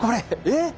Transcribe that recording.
え